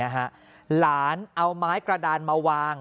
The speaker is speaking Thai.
หลานเอาไม้กระดานมาวาง